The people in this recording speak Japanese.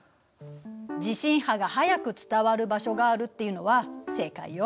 地震波が速く伝わる場所があるっていうのは正解よ。